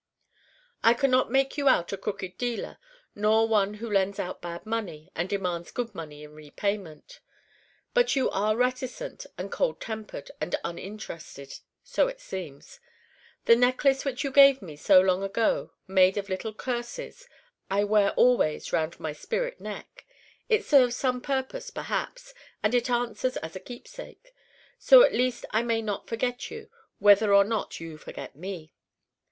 I can not make you out a crooked dealer nor one who lends out bad money and demands good money in repayment. But you are reticent and cold tempered and uninterested. So it seems. The necklace which you gave me so long ago, made of little curses, I wear always round my spirit neck. It serves some purpose, perhaps, and it answers as a keepsake: so at least I may not forget you whether or not you forget me.